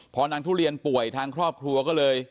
พอนางทุเรียนป่วยทางครอบครัวก็เลย